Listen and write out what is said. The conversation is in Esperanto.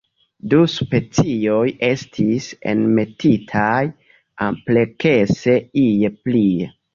Du specioj estis enmetitaj amplekse ie plie.